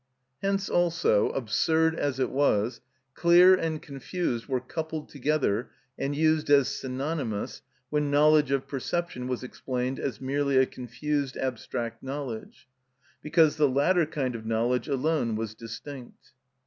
Hence also, absurd as it was, "clear and confused" were coupled together and used as synonymous when knowledge of perception was explained as merely a confused abstract knowledge, because the latter kind of knowledge alone was distinct.